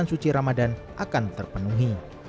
dan suci ramadan akan terpenuhi